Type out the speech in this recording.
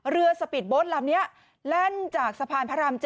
สปีดโบ๊ทลำนี้แล่นจากสะพานพระราม๗